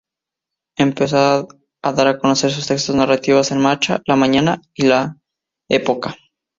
Empezó a dar a conocer sus textos narrativos en "Marcha", "La Mañana" y "Época".